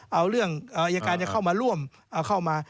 เอาเรื่องอายการจะเข้ามาร่วมเอาเข้ามา